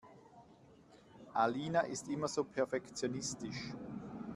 Alina ist immer so perfektionistisch.